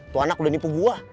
tuh anak lo udah nipu gua